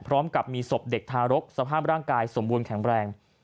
พร้อมกับมีศพเด็กทารกสภาพร่างกายสมบูรณ์แข็งแรง